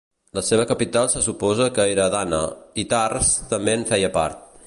La seva capital se suposa que era Adana, i Tars també en feia part.